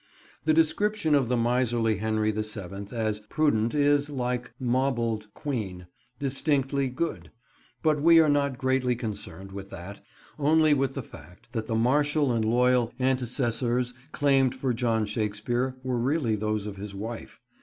The description of the miserly Henry the Seventh as "prudent" is, like "mobled queen," distinctly "good"; but we are not greatly concerned with that, only with the fact that the martial and loyal antecessors claimed for John Shakespeare were really those of his wife.